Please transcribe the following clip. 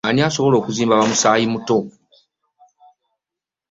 Ani asobola okuzimba bamusaayi muto.